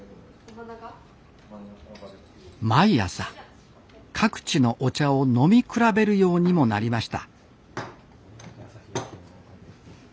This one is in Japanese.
毎朝各地のお茶を飲み比べるようにもなりました